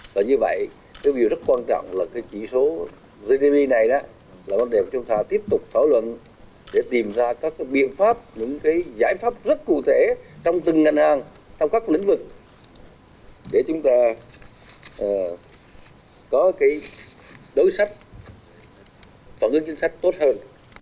và như vậy điều rất quan trọng là cái chỉ số gdp này là quan điểm chúng ta tiếp tục thảo luận để tìm ra các biện pháp những cái giải pháp rất cụ thể trong từng ngành hàng trong các lĩnh vực để chúng ta có cái đối sách phản ứng chính sách tốt hơn